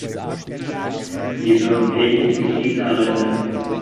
Sie wirkt ähnlich wie Chinarinde.